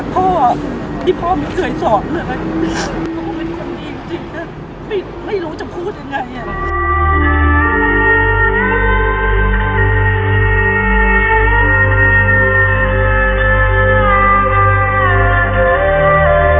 คือสอนให้ลูกว่าท่าที่พ่อมีเคยสอน